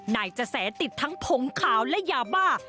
นายจะแสติดทั้งผงขาวและยาบ้า